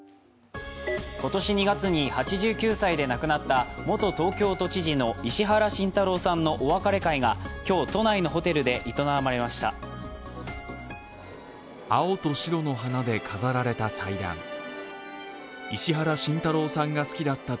今年２月に８９歳で亡くなった元東京都知事の石原慎太郎さんのお別れ会が今日、都内のホテルで営まれました。